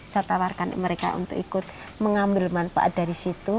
saya tawarkan mereka untuk ikut mengambil manfaat dari situ